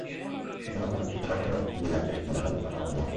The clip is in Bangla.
এখানে অর্থনীতির সূত্র কাজ করে, গিভ অ্যান্ড টেক, মুনাফার বিনিময়ে সমর্থন বিনিয়োগ।